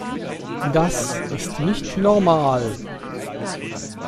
Das ist nicht normal.